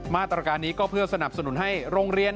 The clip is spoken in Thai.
มาตรการนี้ก็เพื่อสนับสนุนให้โรงเรียน